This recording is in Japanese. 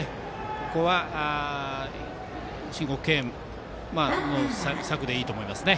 ここは申告敬遠の策でいいと思います。